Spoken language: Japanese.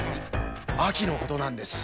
あきのことなんです。